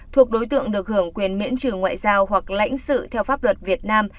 thuộc đối tượng được hưởng quyền miễn trừ ngoại giao hoặc lãnh sự theo pháp luật việt nam